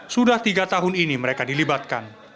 sudah tiga tahun ini mereka dilibatkan